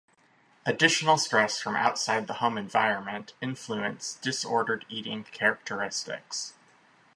Additional stress from outside the home environment influence disordered eating characteristics.